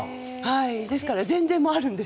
ですから、全然あるんです。